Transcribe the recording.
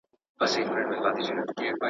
بوډا خپل نکل ته ژاړي نسته غوږ د اورېدلو.